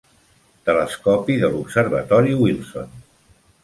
Telescopi de l"observatori Wilson.